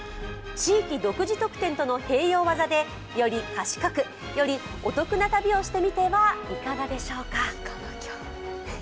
地域独自特典との併用技でより賢く、よりお得な旅をしてみてはいかがでしょうか。